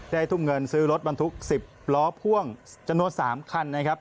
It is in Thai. ทุ่มเงินซื้อรถบรรทุก๑๐ล้อพ่วงจำนวน๓คันนะครับ